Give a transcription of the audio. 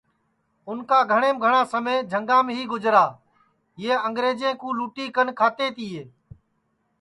اُن کا گھٹؔیم گھٹؔا سمے جھنگام ہی گُجرا یہ انگرجے کُو لُٹی کن کھاتے تیے